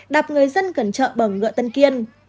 đạp người dân cẩn trợ bằng ngựa tân kiên